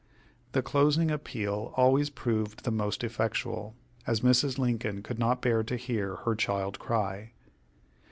The closing appeal always proved the most effectual, as Mrs. Lincoln could not bear to hear her child cry.